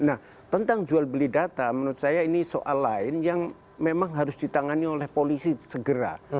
nah tentang jual beli data menurut saya ini soal lain yang memang harus ditangani oleh polisi segera